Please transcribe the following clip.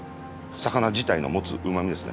魚自体の持つうまみですね。